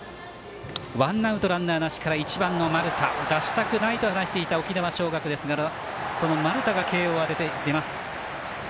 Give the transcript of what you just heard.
ワンアウト、ランナーなしから１番の丸田出したくないと話していた沖縄尚学ですが丸田が慶応は出ます。